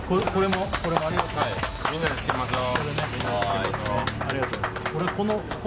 みんなで着けましょう。